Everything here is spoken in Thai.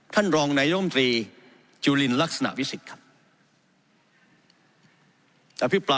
ท่านรองนายมตรีจุลินลักษณะวิสิทธิ์ครับ